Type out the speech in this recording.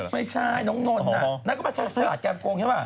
ไม่ใช่น้องน้อนน่ะน่ะก็มาจากฉลาดเกมโกงใช่ป่ะ